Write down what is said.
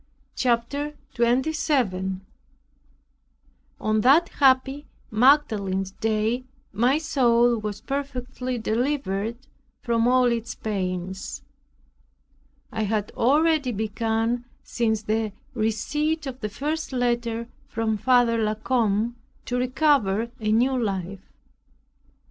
CHAPTER 27 On that happy Magdalene's Day my soul was perfectly delivered from all its pains. It had already begun since the receipt of the first letter from Father La Combe, to recover a new life.